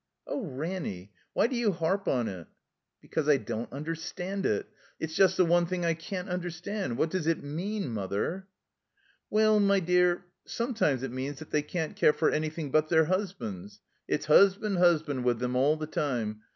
"Oh, Ranny, why do you 'arp on it?" "Because I don't understand it. It's just the one thing I can't understand. What does it mean, Mother?" "Well, my dear, sometimes it means that they can't care for anything but their 'usbands. It's 'usband, 'usband with them all the time.